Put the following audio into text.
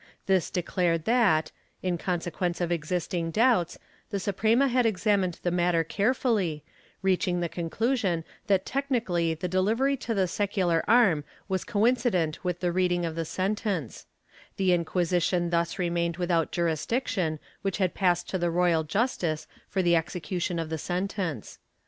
This declared that, in con sequence of existing doubts, the Suprema had examined the matter carefully, reaching the conclusion that technically the delivery to the secular arm was coincident with the reading of the sentence; the Inquisition thus remained without jurisdiction which had passed to the royal justice for the execution of the sentence.